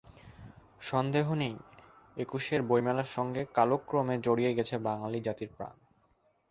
সন্দেহ নেই একুশের বইমেলার সঙ্গে কালক্রমে জড়িয়ে গেছে বাঙালি জাতির প্রাণ।